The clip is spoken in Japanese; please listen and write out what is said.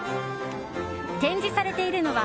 展示されているのは